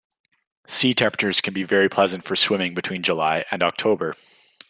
Sea temperatures can be very pleasant for swimming between July and October.